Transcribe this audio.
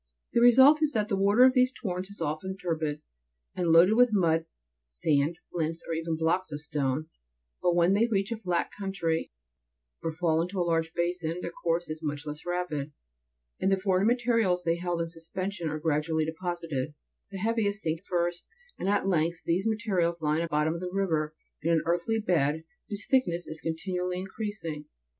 15 result is that the water of these torrents is often turbid, and loaded with mud, sand, flints, or even blocks of stone ; but when they reach a flat country, or fall into a large basin, their course is much less rapid, and the foreign materials they held in suspension are gradually deposited ; the heaviest sink first, and, at length, these materials line the bottom of the river with an earthy bed, whose thickness is continually increasing.